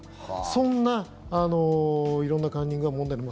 そんな色んなカンニングが問題に。